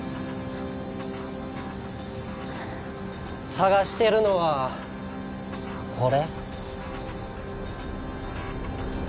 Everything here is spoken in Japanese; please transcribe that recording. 捜してるのはこれ？